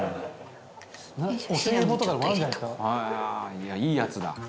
いやいいやつだ」